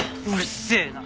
うるせえな！